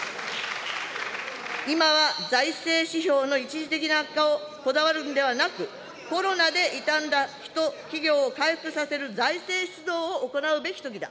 今は財政指標の一時的な悪化をこだわるんではなく、コロナで傷んだ人、企業を回復させる財政出動を行うべきときだ。